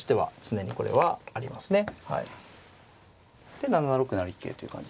で７六成桂という感じですかね。